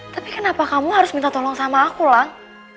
tapi kenapa kamu harus minta tolong sama aku kan